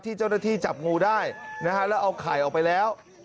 เจ้าหน้าที่จับงูได้นะฮะแล้วเอาไข่ออกไปแล้ว